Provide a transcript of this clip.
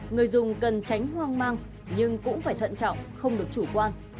người dùng cần tránh hoang mang nhưng cũng phải thận trọng không được chủ quan